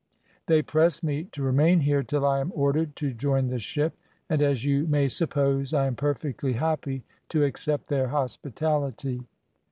"They press me to remain here till I am ordered to join the ship; and as you may suppose, I am perfectly happy to accept their hospitality.